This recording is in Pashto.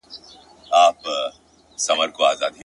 که پر سړک پروت وم، دنیا ته په خندا مړ سوم ،